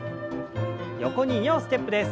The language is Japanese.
横に２歩ステップです。